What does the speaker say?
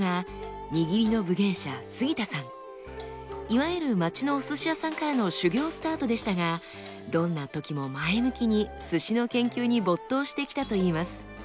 いわゆる町のお鮨屋さんからの修業スタートでしたがどんな時も前向きに鮨の研究に没頭してきたといいます。